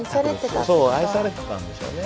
そう愛されてたんでしょうね。